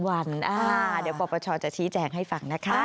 ๑๘๐วันเดี๋ยวปรปชจะชี้แจงให้ฟังนะคะ